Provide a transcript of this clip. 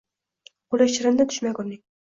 Qo`li shirin-da tushmagurning